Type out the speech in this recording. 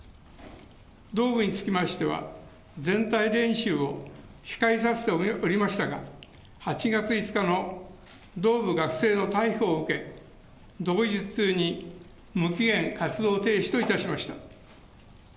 同部につきましては、全体練習を控えさせておりましたが、８月５日の同部学生の逮捕を受け、同日中に無期限活動停止といたしました。